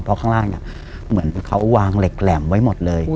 เพราะข้างล่างเนี่ยเหมือนเขาวางเหล็กแหลมไว้หมดเลย